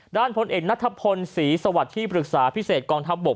พลเอกนัทพลศรีสวัสดิ์ที่ปรึกษาพิเศษกองทัพบก